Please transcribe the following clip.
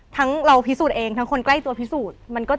เราพิสูจน์เองทั้งคนใกล้ตัวพิสูจน์